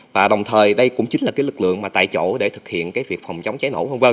và đồng thời đây cũng chính là cái lực lượng mà tại chỗ để thực hiện việc phòng chống cháy nổ v v